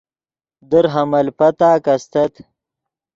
در حمل پتاک استت